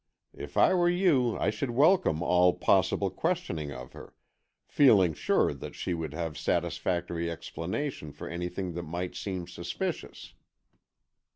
If I were you I should welcome all possible questioning of her, feeling sure that she would have satisfactory explanation for anything that might seem suspicious."